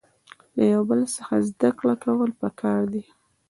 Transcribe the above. له یو بل څخه زده کړه کول پکار دي.